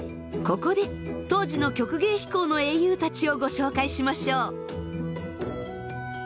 ここで当時の曲芸飛行の英雄たちをご紹介しましょう。